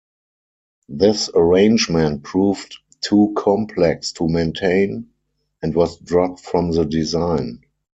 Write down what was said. This arrangement proved too complex to maintain and was dropped from the design.